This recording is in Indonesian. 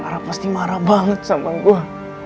ra pasti marah banget sama gua